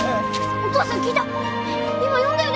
お父さん聞いた？